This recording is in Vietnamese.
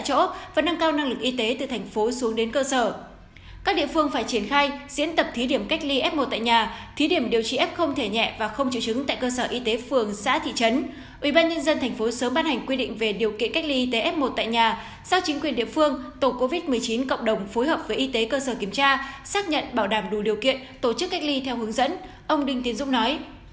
các nhân dân thành phố sớm ban hành quy định về điều kiện cách ly y tế f một tại nhà sau chính quyền địa phương tổ covid một mươi chín cộng đồng phối hợp với y tế cơ sở kiểm tra xác nhận bảo đảm đủ điều kiện tổ chức cách ly theo hướng dẫn ông đinh tiến dung nói